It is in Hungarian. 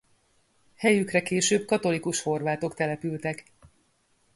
Helyükre később katolikus horvátok települtek.